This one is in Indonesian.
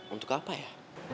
untuk apa ya